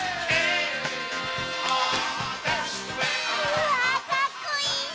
うわかっこいい！